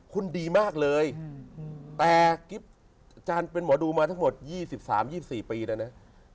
หุ้นดีมากเลยแต่กิฟต์จานเป็นหมอดูมาทั้งหมด๒๓๒๔ปีแล้วเนี่ย